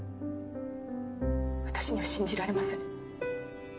私には信じられません。